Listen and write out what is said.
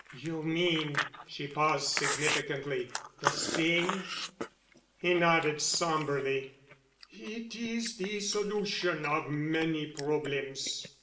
"You mean," she paused significantly. "The Seine——" He nodded somberly. "It is the solution of many problems."